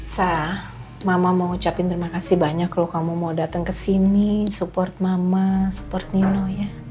sa mama mau ucapin terima kasih banyak loh kamu mau dateng kesini support mama support nino ya